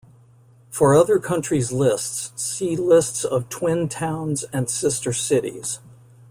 For other countries' lists see lists of twin towns and sister cities.